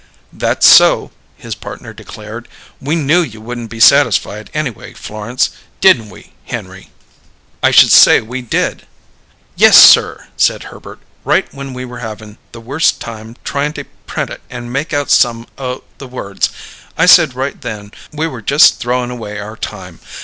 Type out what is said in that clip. "That's so," his partner declared. "We knew you wouldn't be satisfied, anyway, Florence. Didn't we, Henry?" "I should say we did!" "Yes, sir!" said Herbert. "Right when we were havin' the worst time tryin' to print it and make out some o' the words, I said right then we were just throwing away our time.